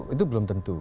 itu belum tentu